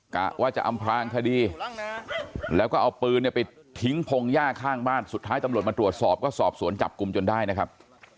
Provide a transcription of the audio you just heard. กะว่าจะอำพลางคดีแล้วก็เอาปืนเนี่ยไปทิ้งพงหญ้าข้างบ้านสุดท้ายตำรวจมาตรวจสอบก็สอบสวนจับกลุ่มจนได้นะครับ